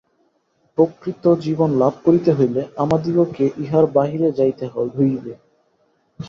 প্রকৃত জীবন লাভ করিতে হইলে আমাদিগকে ইহার বাহিরে যাইতে হইবে।